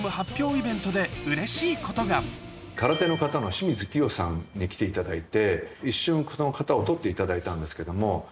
ピクトグラム空手の形の清水希容さんに来ていただいて一瞬この形を取っていただいたんですけども。